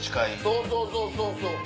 そうそうそうそうそう。